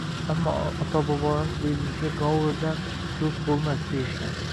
Ammo, ota-bobolarimiz bejizga «Govurdan do'st bo'lmas» deyishmagan.